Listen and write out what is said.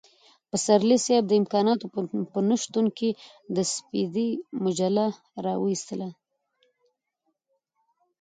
پسرلی صاحب د امکاناتو په نشتون کې د سپېدې مجله را وايستله.